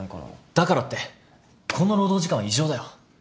だからってこの労働時間は異常だよ。